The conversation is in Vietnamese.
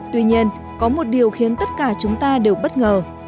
tuy nhiên có một điều khiến tất cả chúng ta đều bất ngờ